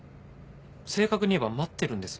正確に言えば待ってるんです。